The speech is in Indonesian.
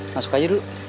masuk aja dulu